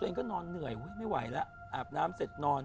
ตัวเองก็นอนเหนื่อยว่าแบบใจอาบน้ำเสร็จนอน